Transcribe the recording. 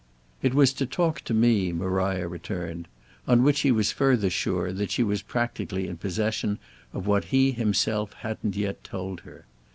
"It was to talk to me," Maria returned; on which he was further sure that she was practically in possession of what he himself hadn't yet told her.